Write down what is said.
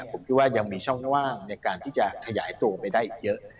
ผมคิดว่ายังมีช่องว่างในการที่จะขยายตัวไปได้อีกเยอะ